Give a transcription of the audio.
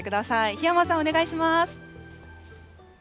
檜山さん、お願いします。